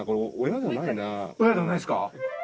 親ではないですか？